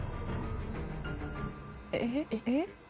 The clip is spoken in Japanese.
えっ？えっ？